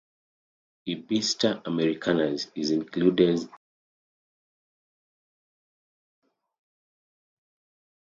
"Ibycter americanus" is included as "Daptrius americanus".